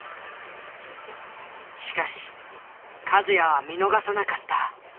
しかし和也は見逃さなかった。